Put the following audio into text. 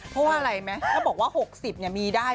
เพราะว่าอะไรไหมถ้าบอกว่า๖๐มีได้